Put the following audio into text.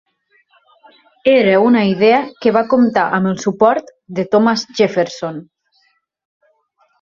Era una idea que va comptar amb el suport de Thomas Jefferson.